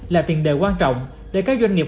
là tình đề quan trọng để các doanh nghiệp